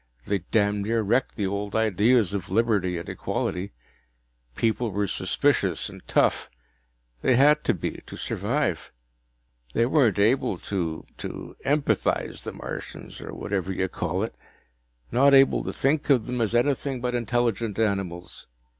They damned near wrecked the old ideas of liberty and equality. People were suspicious and tough they'd had to be, to survive. They weren't able to to empathize the Martians, or whatever you call it. Not able to think of them as anything but intelligent animals.